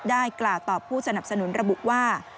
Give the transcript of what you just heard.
ได้กล่าวตอบผู้สนับสนุนระบุว่า